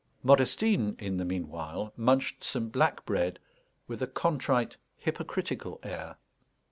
Modestine, in the meanwhile, munched some black bread with a contrite hypocritical air.